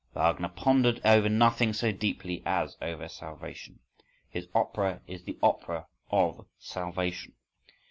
Wagner pondered over nothing so deeply as over salvation: his opera is the opera of salvation.